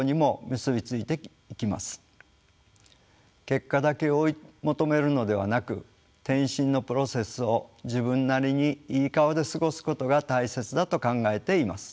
結果だけ追い求めるのではなく転身のプロセスを自分なりにいい顔で過ごすことが大切だと考えています。